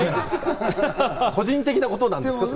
個人的なことなんですか？